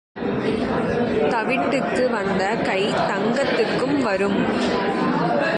தவிட்டுக்கு வந்த கை தங்கத்துக்கும் வரும்.